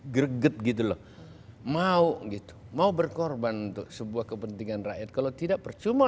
greget gitu loh mau gitu mau berkorban untuk sebuah kepentingan rakyat kalau tidak percuma